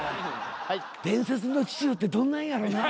伝説の痴女ってどんなんやろな？